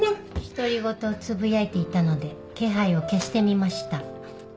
独り言をつぶやいていたので気配を消してみました。